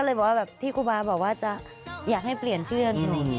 ก็เลยบอกว่าที่กุบาริยชาติบอกว่าจะอยากให้เปลี่ยนชื่อหนู